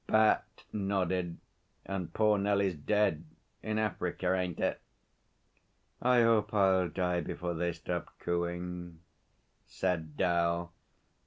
Bat nodded. 'And poor Nellie's dead in Africa, ain't it?' 'I hope I'll die before they stop cooing,' said 'Dal.